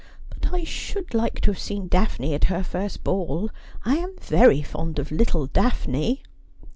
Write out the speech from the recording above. But I should like to have seen Daphne at her first ball. I am very fond of little Daphne.'